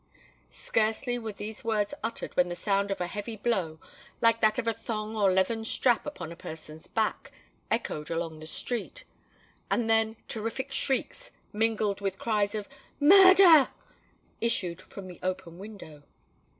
Scarcely were these words uttered when the sound of a heavy blow, like that of a thong or leathern strap upon a person's back, echoed along the street; and then terrific shrieks, mingled with cries of "Murder!" issued from the open window.